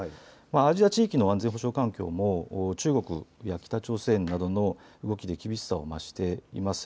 アジア地域の安全保障環境も中国や北朝鮮などの動きで厳しさを増しています。